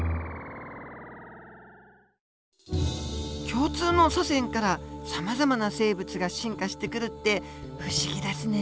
共通の祖先からさまざまな生物が進化してくるって不思議ですね。